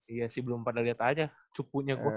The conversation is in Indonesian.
iya sih belum pada liat aja cupunya gue